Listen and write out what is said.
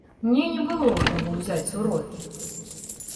Мне не было ў каго ўзяць урокі!